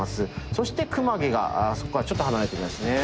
そして熊毛がそこからちょっと離れていますね。